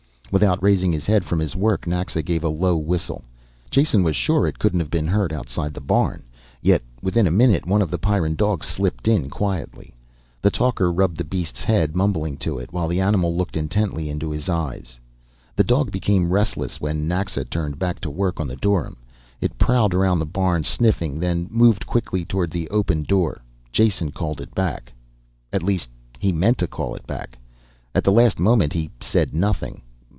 Without raising his head from his work, Naxa gave a low whistle. Jason was sure it couldn't have been heard outside of the barn. Yet within a minute one of the Pyrran dogs slipped quietly in. The talker rubbed the beast's head, mumbling to it, while the animal looked intently into his eyes. The dog became restless when Naxa turned back to work on the dorym. It prowled around the barn, sniffing, then moved quickly towards the open door. Jason called it back. At least he meant to call it. At the last moment he said nothing.